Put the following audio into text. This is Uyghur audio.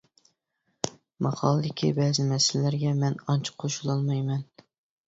ماقالىدىكى بەزى مەسىلىلەرگە مەن ئانچە قوشۇلالمايمەن.